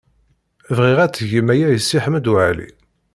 Bɣiɣ ad tgem aya i Si Ḥmed Waɛli.